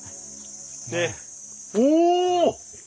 でお！